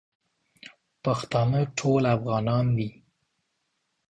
پښتانه ټول افغانان دي